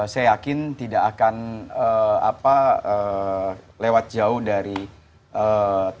saya yakin tidak akan lewat jauh dari tema debat